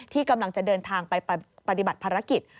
ที่กำลังจะเดินทางไปปฏิบัติภารกิจ